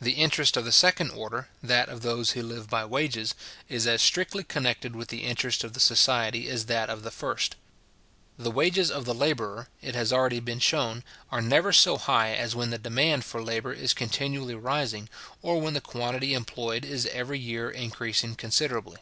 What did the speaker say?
The interest of the second order, that of those who live by wages, is as strictly connected with the interest of the society as that of the first. The wages of the labourer, it has already been shewn, are never so high as when the demand for labour is continually rising, or when the quantity employed is every year increasing considerably.